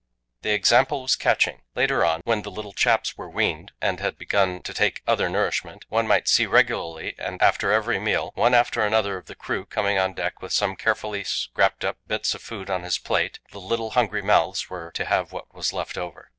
The example was catching. Later on, when the little chaps were weaned, and had begun to take other nourishment, one might see regularly, after every meal, one after another of the crew coming on deck with some carefully scraped up bits of food on his plate; the little hungry mouths were to have what was left over.